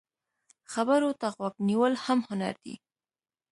خبرو ته غوږ نیول هم هنر دی